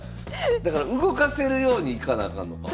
だから動かせるように行かなあかんのか。